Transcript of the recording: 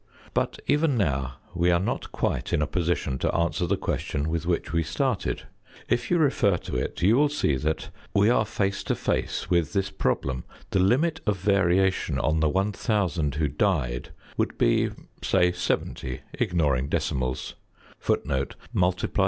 But even now we are not quite in a position to answer the question with which we started. If you refer to it you will see that we are face to face with this problem: the limit of variation on the 1000 who died would be say 70, ignoring decimals.